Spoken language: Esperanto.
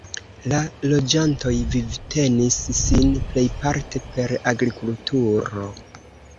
La loĝantoj vivtenis sin plejparte per agrikulturo.